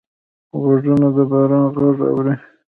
غوږونه د باران غږ اوري